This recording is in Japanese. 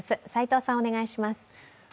齋藤さん、お願いします。